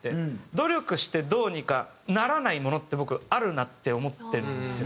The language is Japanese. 努力してどうにかならないものって僕あるなって思ってるんですよ。